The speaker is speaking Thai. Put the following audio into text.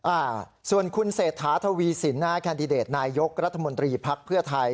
อ่าส่วนคุณเศษฐาทวีสินคันดิเดตนายกรัฐมนตรีพักเพื่อไทย